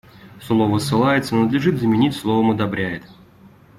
Слово «ссылается» надлежит заменить словом «одобряет».